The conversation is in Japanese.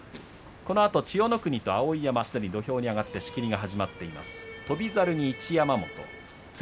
千代の国と碧山、すでに土俵に上がって仕切りが始まっています。